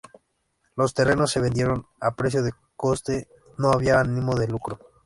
Los terrenos se vendieron a precio de coste, no había ánimo de lucro.